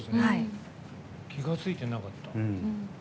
気が付いてなかった。